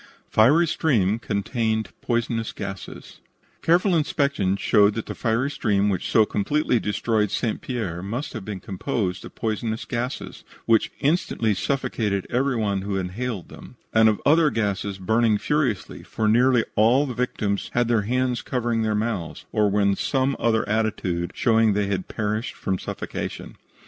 FIERY STREAM CONTAINED POISONOUS GASES Careful inspection showed that the fiery stream which so completely destroyed St. Pierre must have been composed of poisonous gases, which instantly suffocated every one who inhaled them, and of other gases burning furiously, for nearly all the victims had their hands covering their mouths, or were in some other attitude showing that they had perished from suffocation.